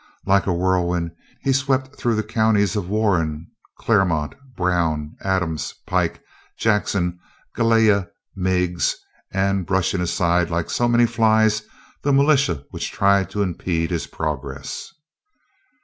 Like a whirlwind he swept through the counties of Warren, Clermont, Brown, Adams, Pike, Jackson, Gallia, Meigs, brushing aside like so many flies the militia which tried to impede his progress.